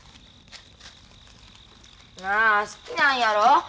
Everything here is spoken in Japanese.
なあ好きなんやろ？